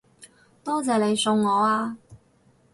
多謝你送我啊